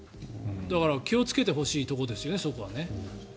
だから気をつけてほしいところですね。